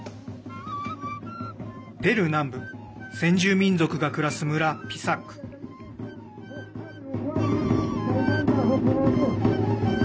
ペルー南部先住民族が暮らす村、ピサック。